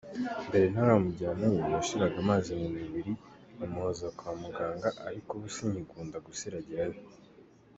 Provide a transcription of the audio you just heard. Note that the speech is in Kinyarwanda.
Mbere ntaramujyanayo, yashiraga amazi mu mubiri nkamuhoza kwa muganga ariko ubu sinkikunda gusiragirayo.